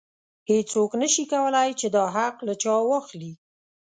هیڅوک نشي کولی چې دا حق له چا واخلي.